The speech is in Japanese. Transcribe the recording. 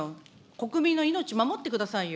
国民の命守ってくださいよ。